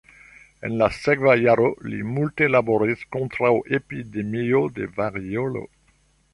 En la sekva jaro li multe laboris kontraŭ epidemio de variolo.